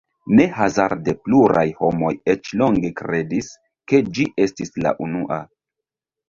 Ne hazarde pluraj homoj eĉ longe kredis, ke ĝi estis la unua.